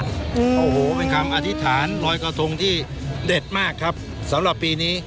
โอ้โหเป็นคำอธิษฐานลอยกระทงที่เด็ดมากครับสำหรับปีนี้